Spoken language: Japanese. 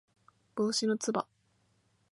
帽子のつば